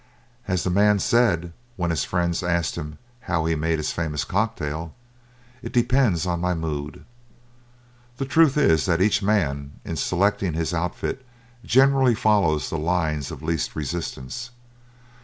As the man said when his friends asked him how he made his famous cocktail, "It depends on my mood." The truth is that each man in selecting his outfit generally follows the lines of least resistance.